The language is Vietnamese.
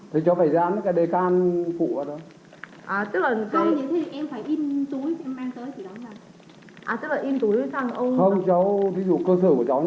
thì cháu ghi một cái tem phụ xong vào đây chú dán thôi